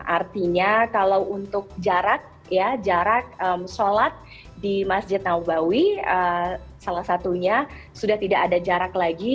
artinya kalau untuk jarak ya jarak sholat di masjid nabawi salah satunya sudah tidak ada jarak lagi